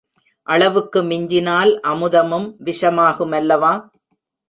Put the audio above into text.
அளவுக்கு மிஞ்சினால் அமுதமும் விஷயமாகுமல்லவா?